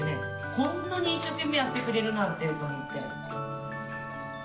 こんなに一生懸命やってくれるなんてと思って。